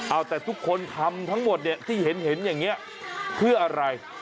เอาแต่ทุกคนทำทั้งหมดเนี่ยที่เห็นอย่างนี้เพื่ออะไร